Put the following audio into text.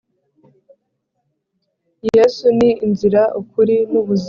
Yesu ni inzira, ukuri, n’ubuzima